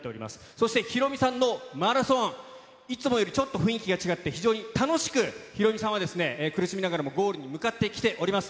そして、ヒロミさんのマラソン、いつもよりちょっと雰囲気が違って、非常に楽しく、ヒロミさんは苦しみながらもゴールに向かってきております。